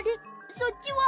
そっちは。